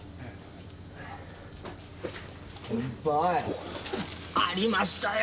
先輩ありましたよ！